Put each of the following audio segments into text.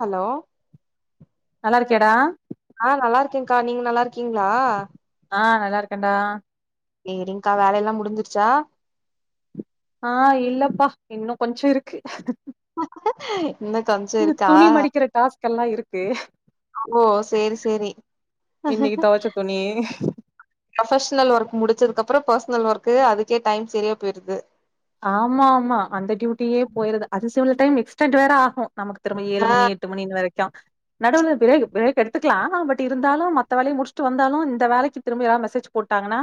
Hello நல்லா இருக்கியாடா ஆ நல்லா இருக்கேங்க்கா நீங்க நல்லா இருக்கீங்ளா ஆ நல்லா இருக்கன்டா சேரிங்க்கா வேலையெல்லா முடிஞ்சிருச்சா ஆ இல்லப்பா இன்னு கொஞ்சொ இருக்கு இன்னு கொஞ்சோ இந்த இருக்கா துணி மடிக்கிற டாஸ்க் எல்லா இருக்கு ஓ சேரி சேரி இன்னக்கி தொவச்ச துணி ப்ரொஃபஷ்னல் ஒர்க் முடிச்சதுக்கப்றொ பர்ஸ்னல் ஒர்க்கு அதுக்கே டைம் சரியா பொய்ருது ஆமா ஆமா அந்த டியூட்டியே போய்ருது அது செல டைம் எக்ஸ்டெண்ட் வேற ஆகு நமக்கு திரும்ப ஏழு ஆ மணி எ ட்டு மணி வரைக்கு நடுவுல பிரேக் ப்ரேக் எடுத்துக்லா பட் டிருந்தாலு மத்த வேலய முடிச்ட்டு வந்தாலு இந்த வேலக்கி திரும்ப யாரா மெசேஜ் போட்டாங்கன்னா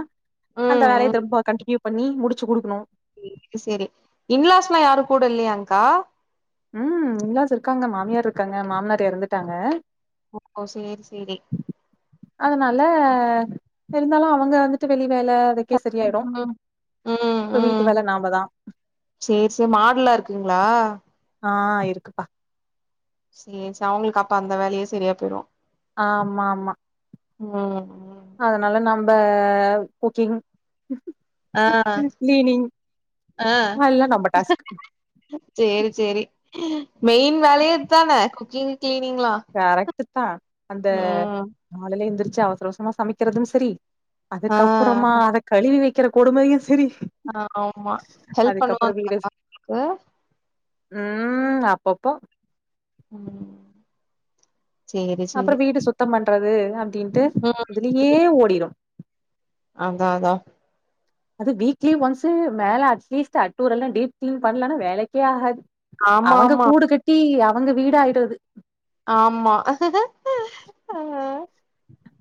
அந்த ம் வேலய ம் திரும்ப கண்ட்டினியூ பண்ணி முடிச்சு குடுக்குணு சேரி சேரி இன்லாஸ்லா யாரு கூட இல்லையாங்க்கா ம் இன்லாஸ் இருக்காங்க மாமியார் இருக்காங்க மாம்னார் எறந்துட்டாங்க ஓ சேரி சேரி அதனால இருந்தாலு அவங்க வந்து ட்டு வெளி வேல அதுக்கே சரியாய்டு ம் இப்ப வீட்டு வேல நாம தா சேர் சே மாடுல்லா இருக்குங்ளா ஆ இருக்குப்பா சே சே அவுங்களுக்கு அப்ப அந்த வேலையே சரியா போய்ரு ஆமாம்மா ம் ம் அதனால நம்ப குக்கிங் ஆ கீளீனிங் ஆ அதல்லா நம்ம டாஸ்க் சேரி சேரி மெயின் வேலயே இத்தான குக்கிங் கிளீனிங்ளா கரெக்ட்டு தா அந்த நாளில எந்திரிச்சு அவசர அவசரமா சமைக்றது செரி ஆ அதுக்கப்பறமா அத கழுவி வெக்கிற கொடுமையு செரி ஆமா ஹெல்ப் பண்ணுவாங் [unintelligible] ம் அப்பப்போ ம் சேரி அப்பறோ சேரி வீடு சுத்தம் பண்றது அப்டின்ட்டு ம் இதுலயே ஓடிடு அதா அதா அது வீக்லி ஒன்ஸ்சு மேல அட்லீஸ்ட் அட்டுர எல்லா டீப் கிளீன் பண்ணலன்னா வேலேக்கே ஆகாது ஆமா அவங்க ஆமா கூடு கட்டி அவங்க வீட ஆயிடுறது ஆமா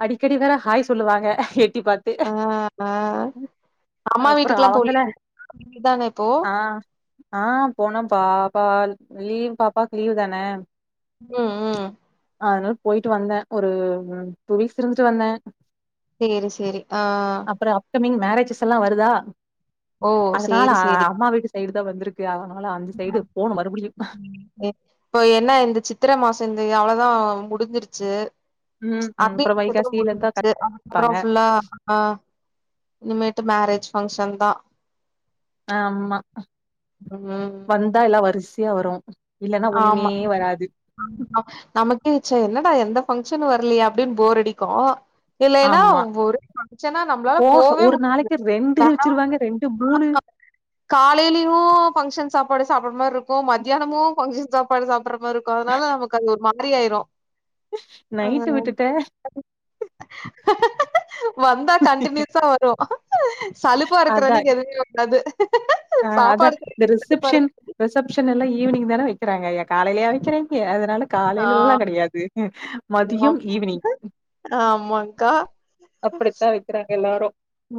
அடிக்கடி வேற ஹாய் சொல்லுவாங்க எட்டி பாத் ஆ ஆ அம்மா அப்புறோ வீட்டுக்கெல்லா அவங்கள போலியோ இத்தானே இப்போ ஆ ஆ போனப்பா பா லீவ் பாப்பாக்கு லீவ் தான ம் ம் அதனால போய்ட்டு வந்தே ஒரு டூ வீக்ஸ் இருந்துட்டு வந்தே செரி செரி ஆ அப்றோ அப்கமிங் மேரேஜஸ் எல்லா வருதா ஓ அதனால சேரி சேரி அம்மா வீடு சைடு தா வந்திருக்கு அதனால அந்த சைடு போனு மறுபடியு இப்போ என்ன இந்த சித்திர மாசம் இந்த அவ்ளோதா முடிஞ்சிருச்சு ம் ம் அப்டி அப்புறோ குத்தனம் போல வைகாசியில இருந்தா முஞ்சுச்சு அதுக்கப்பறோ கண்டிப்பாங்க ப்புல்லா ஆ இனிமேட்டு மேரேஜ் ஃபங்க்ஷன் தா ஆமா ம் வந்தா எல்லா வரிசையா வரு இல்லன்னா ஒண்ணுமே ஆமா வராது ஆ நமக்கே எச்சே என்னடா எந்த பங்க்ஷன் வர்லயே அப்டினு போர் அடிக்கும் இல்லேனா ஆமா ஒரே பங்கஷனா நம்பளால போக போவே ஒரு முட நாளைக்கு ரெண்டு வச்சிருவாங்க ரெண்டு மூணு காலையிலயு பங்க்ஷன் சாப்பாடு சாப்ட்ற மாரி இருக்கு மத்தியானமு பங்க்ஷன் சாப்பாடு சாப்பிடற மாரி இருக்கும் அதனால நமக்கு அது ஒரு மாரி ஆயிரு நைட்டு விட்டுட்ட வந்தா கன்டின்யூஸ்ஸா வரும் சலுப்பா இருக்கற அதா அன்னக்கு எதுவுமே வராது ஆ அதா சாப்பாடு இந்த செய்யறதுக்கு சலுப்பா ரிசப்ஷன் இருக்கு ரிசப்ஷன்ல்லாம் ஈவினிங் தானே வெக்கிறாங்க எ காலைய வெக்கிறாங்க அதனால ஆ காலையிலல்லா கெடையாது மதியம் ஈவினிங் ஆமா கா அப்படித்தா வெக்கிறாங்க எல்லாரு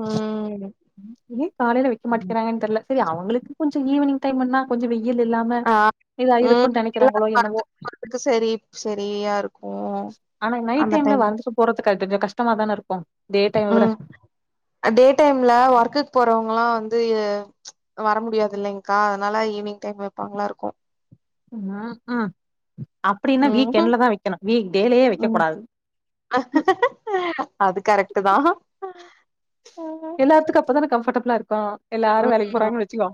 ம். ஏன் காலையில வைக்க மாட்டேக்கிறாங்கன்னு தெரியில சரி அவங்களுக்கு கொஞ்சம் ஈவினங் டைம்னா கொஞ்சம் வெயில் இல்லாம ஆ வ இதா இருக்குன் நெனைக்கிறாங்களோ என்னவோ கு சரி சரியா இருக்கும் அந்த டைம் போறத்துக் காட்டுட்டு கஷ்டமா தான இருக்கும் டே டைம்ம விட அ டே டைம்ல ஒர்க்குக்கு போறவங்கல்லா வந்து அ வர முடியாதுல்லைங்கா அதனால ஈவினிங் டைம்மு வெப்பாங்களாருக்கு ம் ஹும் அப்படின்னா வீக் ம். எண்ட்ல தானன வைக்கணு வீக் டேலே வைக்க ம். கூடாது அது கரெக்ட்டு தா எல்லாத்துக்கு அப்பதான கம்ஃபர்டபுளா இருக்கு எல்லாரு வேலைக்கி போறாங்கன்னு வச்சுக்கோ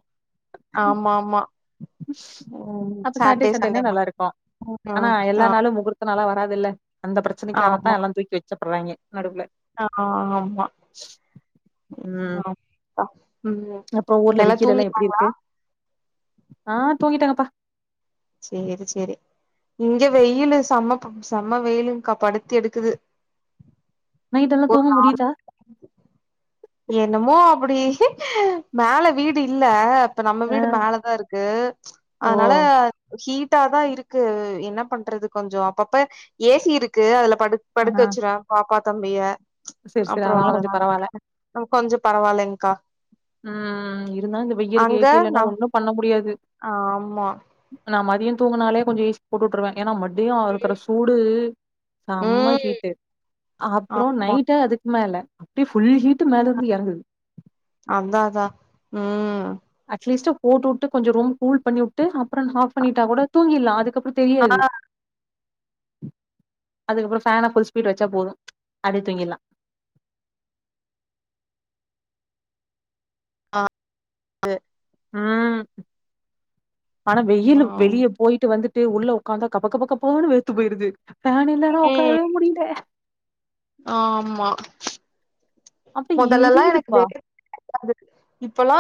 ஆமாமா. ம் அப்ப சாட்டே சாட்டர் சண்டே சண்டேனா மட்டு நல்லாருக்கு ஆனா ம் ஆ எல்லா நாளும் முகூர் த்த நாள வராதுல்ல அந்த ஆமா பிரச்சனைக்காவத்தா எல்லா தூக்கி வச்சப்பட்றாயிங்க நடுவுல ஆ ஆமா ம் ஆ ம் அப்புறோ ஊர்ல எல்லா வெயிலெல்லா எப்படி தூங்கிட்டாங்களா இருக்கு ஆ தூங்கிட்டேங்கப்பா சேரி சேரி இங்க வெயிலு செம்ம ப்ப செம்ம வெயிலுங்க்கா படுத்தி எடுக்குது நைடெல்லா ஒரு தூங்க முடியுதா என்னமோ அப்பிடி மேல வீடு இல்ல இப்ப நம்ம ஆ வீடு மேல தா இருக்கு ஓ அதனால ஹீட்டா தா இருக்கு என்ன பண்றது கொஞ்சோ அப்பப்ப ஏ சி இருக்கு அதுல படு ஆ படுக்க வச்சருவே பாப்பா தம்பிய செரி செரி அப்புறோ கொஞ்சோ பரவால்ல அதனால [inaudible] கொஞ்சோ பரவாயில்லங்கா ம் இருந்தா இந்த வெயிலுக்கு ஏ அங்க சி இல்லன்னா நா ஒண்ணு பண்ண முடியாது ஆமா நா மதியோ தூங்குனாலே கொஞ்சோ ஏசி போட்டு உட்டுருவே ஏன்னா மதியோ இருக்கற சூடு செம்ம ம் ஹீட்டு அப்புறோ ஆமா நைட்டு அதுக்கு மேல அப்படி ஃபுல் ஹீட்டு மேலருந்து எறங்குது அந்தாதா ம் அட்லீஸ்ட் போட்டுட்டு கொஞ்சோ ரூம் கூல் பண்ணிவுட்டு அப்புறோ ஆஃப் பண்ணிட்டா கூட தூங்கிர்ல அதுக்கப்புறோ தெரியாது ஆ அதுக்கப்புறே ஃபேனா ஃபுல் ஸ்பீடா வச்சா போது அப்டியே தூங்கிர்லா து ம் அ ஆனா வெயிலு ஆம் வெளியே போயிட்டு வந்து ட்டு உள்ள உக்காந்தா கபக்கப்பக்கபனு வேத்து போயிருது ஃபேன் இல்லன்னா உக்காரவே முடியல ஆமா அப்டி மொதல்லல்லா எனக்கு எரியுதுப்பா வேரு [inaudible] வேர்க்காது இப்பல்லா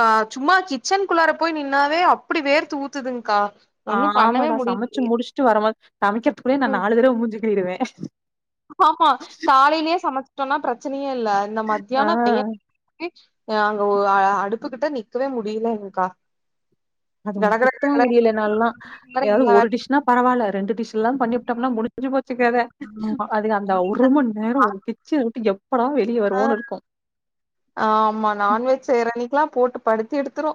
ஆ சும்மா கிச்சனுக்குள்ளார போய் நின்னாவே அப்பிடி வேர்த்து ஊத்துத்துங்கா ஆமாடா சமைச்சு முடிச்சுட்டு வரமோத் சமைக்கிறதுக்குள்ளயே நா ம் நாலு தடவ மூஞ்சுக்கழுவிடுவே ஆமா காலையிலே சமைச்சிட்டோன்னா பிரச்சனயே இல்ல இந்த ஆ மதியானோ வெ யில் அ அங்க ஒ அடுப்புகிட்ட நிக்கவே முடியலங்கா அதுவு சுத்தமா முடியல என்னால்லா கடன்னு ஏதாவது எல்லா ஒரு வேலையு டிஷ் னா பரவால ரெண்டு டிஷ்லா பண்ணிபுட்டோம்னா முடிஞ்சு போச்சு கத ஆமா அது அந்த ஒரு மண் நேரோ கிச்சன உட்டு எப்போடா வெளிய ஆ வருவோன்னு இருக்கு ஆமா நான்வெஜ் செய்ற அன்னைக்கில்லா போட்டு படுத்தி எடுத்துரு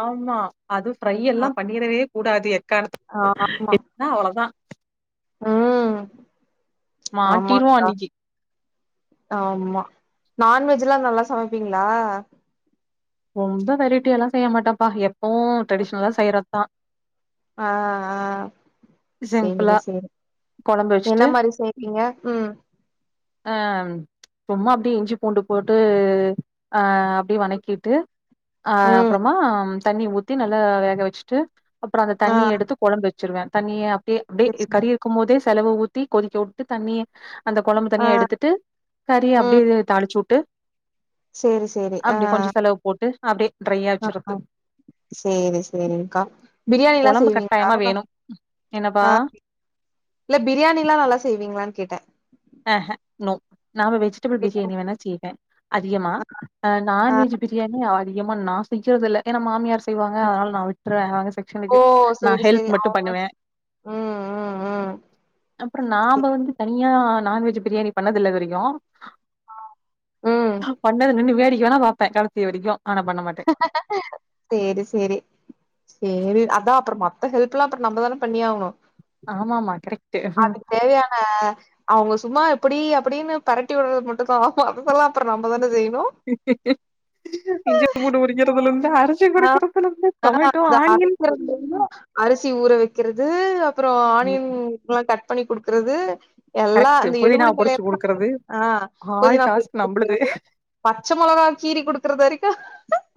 ஆமா அது ஃப்ரையெல்லா பண்ணிரவே கூடாது ஏக்காரணத்துக் ஆமா [inaudible] ன்னா அவளோ தா ம் மாட்டிருவோ ஆமாக்கா அன்னைக்கி ஆமா நான்வெஜ்ல்லா நல்லா சமைப்பீங்ளா ரொம்ப வெரைட்டியெல்லா செய்ய மாட்டப்பா எப்பவு ட்ரெடிஷனலா செய்யறதுதா ஆ ஆ சிம்பிளா சேரி சேரி கொழம்பு என்ன வச்சுட்டு, மாரி செய் ஏங்க ம் ஆ ம் சும்மா அப்டியே இஞ்சி பூண்டு போட்டு ஆ அப்டியே வணக்கி விட்டு ஆ ம் அப்பறமா தண்ணி ஊத்தி நல்லா வேக வச்சிட்டு அப்பறோ அந்த ஆ தண்ணி எடுத்து கொழம்பு வச்சிருவே தண்ணிய அப்டியே அப்டியே கறி பிரச்சன இருக்கும் போதே செலவ ஊத்தி கொதிக்க வுட்டு தண்ணிய அந்த கொழம்பு ஆ தனியா எடுத்துட்டு கறிய ம் அப்டியே தாளிச்சி வுட்டு சேரி சேரி ஆ அப்டி கொஞ்சோ செலவு போட்டு அப்டியே ட்ரையா ஆ வச்சிர்றது சேரி சேரி்ங்கா பிரியாணி எல்லா கொழம்பு கட்டாயமா செய்வீங்களா வேணும். என்னப்பா? ஆ இல்ல பிரியாணில்லா நல்லா செய்வீங்களான்னு கேட்டே ஆஹ நோ நாம வெஜிடபுள் பிரியாணி வேணா செய்வே அதிகமா அ, நா ஆ நான்வெஜ் பிரியாணி அதிகமா நா செய்யறது இல்ல ஏன்னா மாமியார் செய்வாங்க அதனால நா விட்ருவே அவங்க ஓ செக்க்ஷனுக்கு நா சேரி ஹெல்ப் சேரி மட்டு அவங்க பண்ணுவே ம் ம் ம் அப்பறோ நாம சரி. வந்து தனியா நான்வெஜ் பிரியாணி பண்ணது இல்ல இது வரைக்கு ம் பண்ணத நின்னு வேடிக்க வேணா பாப்பே கடைசி வரைக்கு ஆனா பண்ண மாட்டே சேரி சேரி சேரி அதா அப்பறோ மத்த ஹெல்ப் எல்லா அப்பறோ நம்ப தான பண்ணி ஆகணு ஆமா ஆமா கரெக்ட் தேவையான அவங்க சும்மா இப்டி அப்டின்னு பெரட்டி விடுறது மட்டுந்தா ஆமா அதுப்பெல்லா அப்பறோ நம்ப தான செய்யணு இஞ்சி பூண்டு உரிக்கறதுல இருந்து அர ச்சி ஆ குடுக்கறதுல இருந்து டொமேட்டோ அத ஆனியன் அரைக்கிறது அரிசி ஊற வைக்கிறது அப்பறோ ம் ஆனியன்க்குலா கட் பண்ணி குடுக்குறது எல்லா கரெக்ட்டு அந்த புதினா எடுபுடி வேலைய பொறிச்சு குடுக்கறது ஆ ஆல் புதினா பறிச்சி டாஸ்க் நம்பளுது குடுக்குறது பச்ச மொளகா கீறி குடுக்குறது வரைக்கு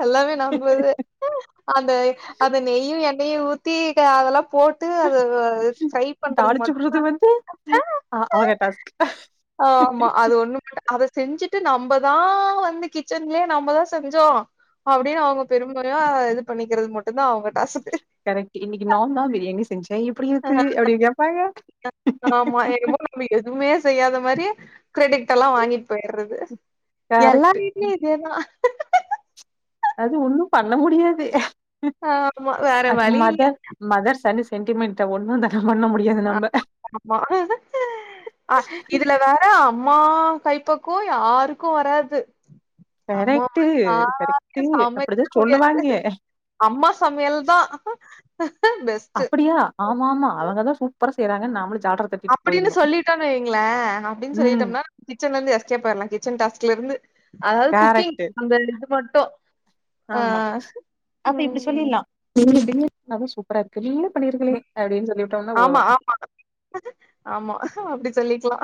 எல்லாமே நம்ப இது அந்த அந்த நெய்யு எண்ணெய்யு ஊத்தி க அதெல்லா போட் டு அத ஃப்ரை பண்றது மட்டுந்தா ஆ அவங்க டாஸ்க் ஆமா அது ஒண்ணு மட்டு அத செஞ்சிட்டு நம்பதா வந்து கிட்சன்லயே நம்பதா செஞ்சோ அப்டின்னு அவுங்க பெருமையா இது பண்ணிக்கிறது மட்டுந்தா அவுங்க டாஸ்க் கரெக்ட் இன்னக்கி நான்தா பிரியாணி செஞ்சே எப்டி இருக்கு அப்டின் கேப்பாங்க நம்ப எதுவுமே செய்யாத மாரி கிரெடிட் எல்லா வாங்கிட்டு போயிட்றது கரெக்ட் எல்லார் வீட்லயு இதேதா அது ஒண்ணு பண்ண முடியாது ஆமா வேற அது வழி இல்லயா மதர் மதர் சன் சென்டிமெண்ட்ட ஒன்னு வந்தாலு பண்ண முடி ஆமா ஆமா ஆ இதுல வேற என்ன அம்மா கைப்பக்குவோ யாருக்கு வராது அம்மா கரெக்ட் மாரி கரெக்ட் யாரலயு சமைக்க அப்படிதான் முடியாது சொல்லுவாங்க அம்மா சமையல்தா அப்டியா ஆமா ஆமா அவங்கதா சூப்பரா செய்யறாங்கன் நாமளு ஜால்ரா தட் அப்டின்னு சொல்லிட்டாங்க எங்கள அப்டின் ம் சொல்லிட்டம்னா கிச்சன்ல இருந்து எஸ்கேப் ஆயிறலா கிச்சன் டாஸ்க்ல இருந்து அதாவது குக்கிங் கரெக்ட் அந்த இது மட்டு ஆ ஆமா அப்ப இப்படி ம் சொல்லிடலாம் நீங்க டின்னர் பண்ணாதா சூப்பரா இருக்கு நீங்களே பண்ணிருங்களே அப்டின்னு சொல்லி ஆமா ஆமா ஆமா அப்டி சொல்லிக்கலா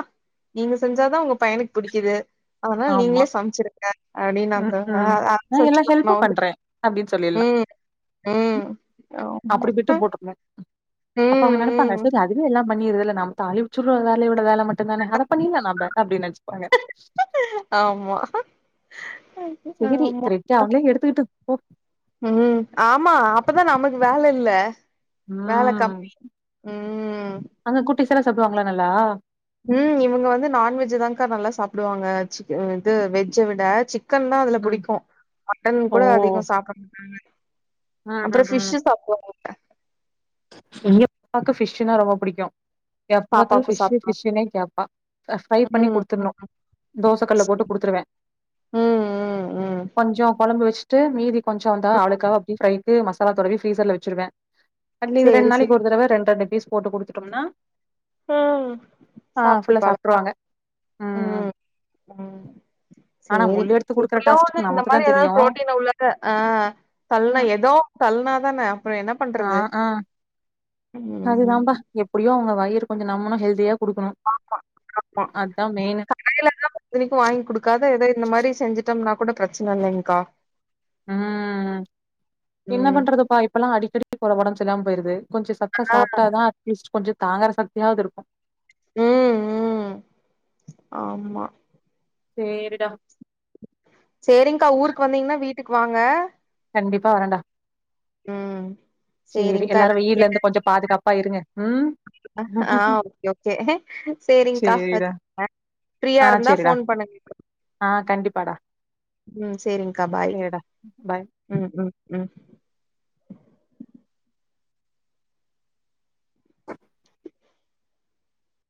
நீங்க செஞ்சாதா உங்க பையனுக்கு புடிக்குது அதனால நீங்களே சமைச்சிரு அ அ நா எல்லா சொல்லிக்கலாம் ஹெல்ப்பு நான் வந்து. பண்றே அப்டின் சொல்லிர்ல்லா ம், ம். ஆமா. அப்பிடி பிட்டு போட்ருனு ம் அப்ப அவங்க நனப்பாங்க ம். சரி அதுவே எல்லா பண்ணிருதுல்ல நம்ம தாலிச்சு விட்ற வேலயோட வேலை தானே அதை பண்ணிர்லா நம்ம அப்டி நினச்சுப்பாங்க ஆமா செரி ஆமா. திரிட்டா அவுங்களே எடுத்துக்கிட்டு போ ம் ஆமா அப்பதா நமக்கு வேலை இல்ல வேலை ம் கம்மி. ம். அங்க குட்டீஸலா சாப்டுவாங்களா நல்லா ம் இவங்க வந்து நான்வெஜ் தான்கா நல்லா சாப்பிடுவாங்க சிக் இது வெஜ்ஜ விட சிக் க்கன் தா அதுல ம். பிடிக்கு மட்டன் ஓ! கூட அதிகோ சாப்பிட மாட்டங்க ம், அப்புறோ ம், ம். ஃபிஷு சாப்புடுவாங்க எங்க பாப்பாக்கு ஃபிஷ்ஷுன்னா ரொம்ப பிடிக்கு எப்ப பாத்தாலு பாப்பாக்கும் ஃபிஷு சாப்பிடுவா. ஃபிஷுனே கேப்பா ஃப்ரை பண்ணி ம். ம். குடுத்துர்ணு தோசை கல்ல போட்டு குடுத்துருவே ம். ம். ம். கொஞ்சோ குழம்பு வச்சு ட்டு மீதி கொஞ்சோ வந்த ம். அவளுக்கா அப்டி ரைட்டு மசாலா தடவி ஃப்ரீசர்ல வெச்சிருவே ட்லி இது ரெண்ட் சரி, சரி. நாளைக் ஒரு தடவ ரெண்ட் ரெண்ட் பீஸ் போட்டு குடுத்துட்டம்னா ம். ஆ சாப்பிட்டு ஃபுல்லா பழக்கம். சாப்ட்ருவாங்க ம் ம் ஆனா சேரி முள்ளு எடுத்து குடுக்குற இப்பில்லா ஒன்னு டாஸ்க்கு இந்த நமக்கு தா மாதிரி தெரியு எதாவது புரோட்டீன் உள்ளத ஆ தல்னா ம் எதோ தல்னாதானே அப்புற என்ன ஆ பண்றது ஆ ம் அதுதாம்பா எப்படியோ அவங்க வயிறு கொஞ்ச நம்மனு ஹெல்தியா குடுக்கணு அதான் மெயின்னு கடையிலலா இத்தனைக்கும் வாங்கி குடுக்காது ஏதது இந்த மாதிரி செஞ்சுட்டோம்னா கூட பிரச்சனை இல்லைங்க்கா ஆ என்ன ம். பண்றதுப்பா இப்பலா அடிக்கடி ஒடம் சரில்லாம போயிருது கொஞ்ச சத்த ஆ சாப்ட்டா தா அட்லீஸ்ட் கொஞ்ச தாங்குற சக்தியாது இருக்கு ம் ம் ஆமா சேரிடா சேரிங்க்கா ஊருக்கு வந்தீங்கன்னா வீட்டுக்கு வாங்க கண்டிப்பா வரண்டா ம் சேரி சேரிங்க்கா எல்லாரு எல்லாத்தையு வெயில்லந்து கொஞ்ச பாதுகாப்பா இருங்க ம் ஆஹ ஓகே ஓகே சேரிங்க்கா சேரிடா வெச்சுறே ஃபிரீயா ஆ இருந்தா சேரிடா ஃபோன் பண்ணுங்கக்கா ஆ கண்டிப்பாடா ம் சேரிங்க்கா பாய் சேரிடா பாய் ம் ம் ம்